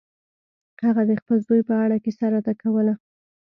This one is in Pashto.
هغه د خپل زوی په اړه کیسه راته کوله.